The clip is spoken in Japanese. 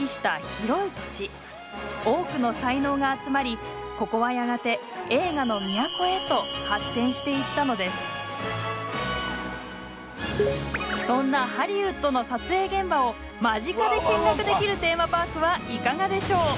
多くの才能が集まりここはやがてそんなハリウッドの撮影現場を間近で見学できるテーマパークはいかがでしょう？